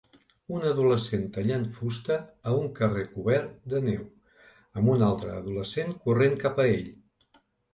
Un adolescent tallant fusta a un carrer cobert de neu amb un altre adolescent corrent cap a ell.